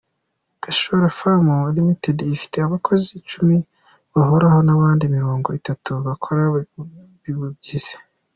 Gashora Farm Ltd ifite abakozi icumi bahoraho n’abandi mirongo itatu bakora bubyizi.